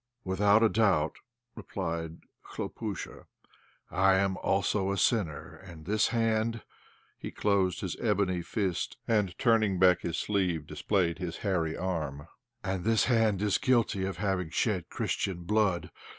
"Without doubt," replied Khlopúsha, "I am also a sinner, and this hand" (he closed his bony fist, and turning back his sleeve displayed his hairy arm), "and this hand is guilty of having shed Christian blood.